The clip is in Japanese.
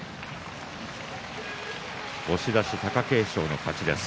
押し出し、貴景勝の勝ちです。